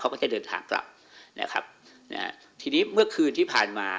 เขาก็จะเดินทางกลับนะครับนะฮะทีนี้เมื่อคืนที่ผ่านมา